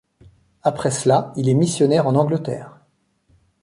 Après cela, il est missionnaire en Angleterre.